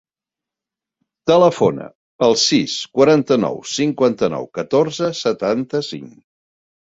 Telefona al sis, quaranta-nou, cinquanta-nou, catorze, setanta-cinc.